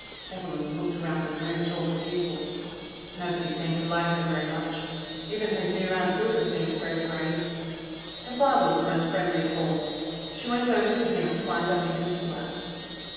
Evelyn looked around the room at all the people. Nobody seemed to like her very much; even her dear Aunt Hilda seemed very grave. Her father was the most friendly of all. She went over to him and climbed up into his lap.